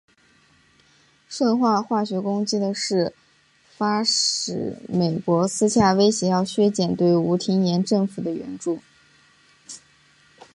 顺化化学攻击的事发使美国私下威胁要削减对吴廷琰政府的援助。